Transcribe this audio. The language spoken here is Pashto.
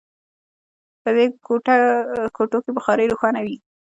په دې کوټو کې بخارۍ روښانه وي